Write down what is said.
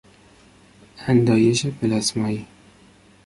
اندایش پلاسمایی